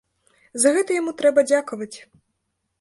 За гэта яму трэба дзякаваць!